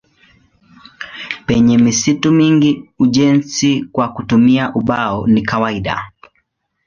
Penye misitu mingi ujenzi kwa kutumia ubao ni kawaida.